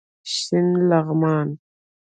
شین لغمان